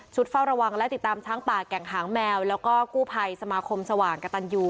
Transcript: เฝ้าระวังและติดตามช้างป่าแก่งหางแมวแล้วก็กู้ภัยสมาคมสว่างกระตันยู